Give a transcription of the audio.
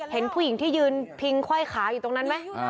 เห็นผู้หญิงที่ยืนพิงไขว้ขาอยู่ตรงนั้นไหม